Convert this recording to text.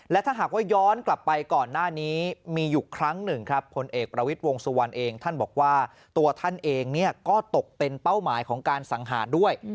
และถ้าหากว่าย้อนกลับไปก่อนหน้านี้มีอยู่ครั้งหนึ่งครับผลเอกประวิทย์วงสุวรรณเองท่านบอกว่าตัวท่านเองก็ตกเป็นเป้าหมายของการสังหารด้วย